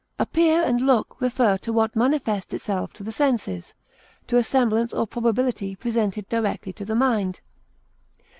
Appear and look refer to what manifests itself to the senses; to a semblance or probability presented directly to the mind.